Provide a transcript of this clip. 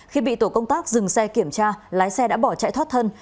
khi bị tổ công tác dừng xe kiểm tra lái xe đã bỏ chạy thoát thân